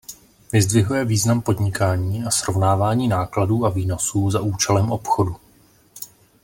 Vyzdvihuje význam podnikání a srovnávání nákladů a výnosů za účelem obchodu.